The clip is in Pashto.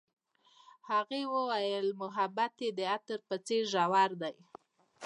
هغې وویل محبت یې د عطر په څېر ژور دی.